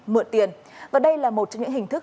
mượn tiền và đây là một trong những hình thức